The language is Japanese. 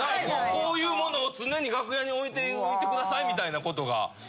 こういうものを常に楽屋に置いておいてくださいみたいなことが。